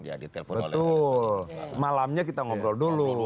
betul malamnya kita ngobrol dulu